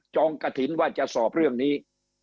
องกระถิ่นว่าจะสอบเรื่องนี้